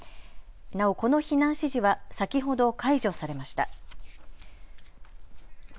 なおこの避難指示は先ほど解除されました。